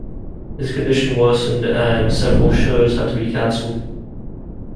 His condition worsened and several shows had to be canceled.